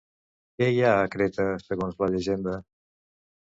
Què hi ha a Creta, segons la llegenda?